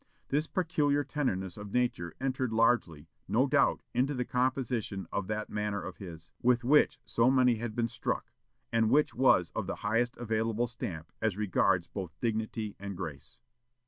This peculiar tenderness of nature entered largely, no doubt, into the composition of that manner of his, with which so many have been struck, and which was of the highest available stamp as regards both dignity and grace."